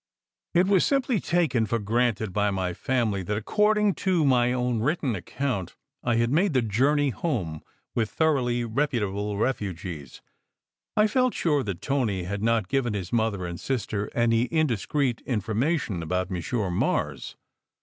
It was simply taken for granted by my family that, ac cording to my own written account, I had made the jour ney home with thoroughly reputable refugees. I felt sure that Tony had not given his mother and sister any indis creet information about "Monsieur Mars."